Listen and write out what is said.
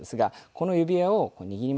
この指輪を握りました。